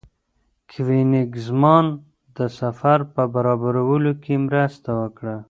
کوېنیګزمان د سفر په برابرولو کې مرسته وکړه.